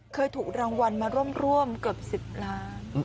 เคยถูกรางวัลมาร่วมเกือบ๑๐ล้าน